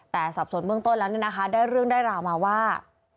แต่สอบส่วนเบื้องต้นแล้วได้เรื่องได้ราวมาว่า